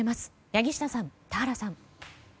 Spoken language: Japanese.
柳下さん、田原さん。